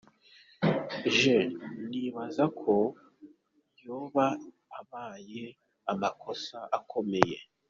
Je nibaza ko yoba abaye amakosa akomeye.